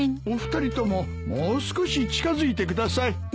お二人とももう少し近づいてください。